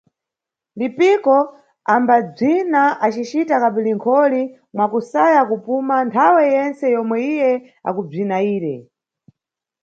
Lipiko ambabzina acicita kapidigoli mwakusaya kupuma nthawe yentse yomwe iye akubzina ire.